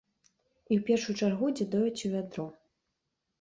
І ў першую чаргу, дзе дояць у вядро.